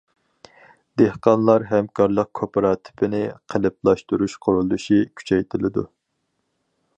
دېھقانلار ھەمكارلىق كوپىراتىپىنى قېلىپلاشتۇرۇش قۇرۇلۇشى كۈچەيتىلىدۇ.